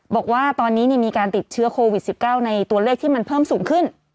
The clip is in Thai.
บอกว่าตอนนี้มีการติดเชื้อโควิด๑๙ในตัวเลขที่มันเพิ่มสูงขึ้น